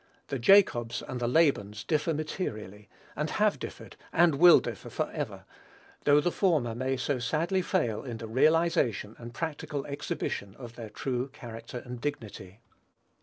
The Jacobs and the Labans differ materially, and have differed, and will differ forever, though the former may so sadly fail in the realization and practical exhibition of their true character and dignity.